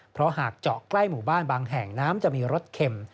เพราะหากเจาะใกล้หมู่บ้านบางแห่งน้ำจะมีรสเข็ม